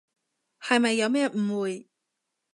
係咪有咩誤會？